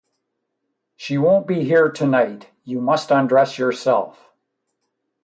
She won’t be here tonight; you must undress yourself.